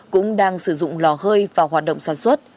cũng đang sử dụng lò hơi vào hoạt động sản xuất